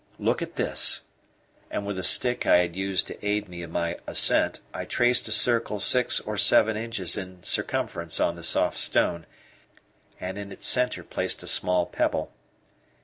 Look at this," and with a stick I had used to aid me in my ascent I traced a circle six or seven inches in circumference on the soft stone, and in its centre placed a small pebble.